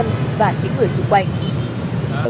và những người xung quanh